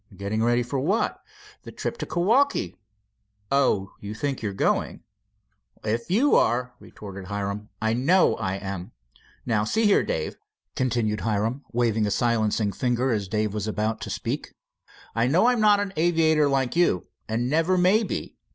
"Getting ready for what?" "The trip to Kewaukee." "Oh, you think you're going?" "If you are," retorted Hiram, "I know I am. Now, see here, Dave," continued Hiram, waving a silencing finger as Dave was about to speak, "I know I'm not an aviator like you, and never will be.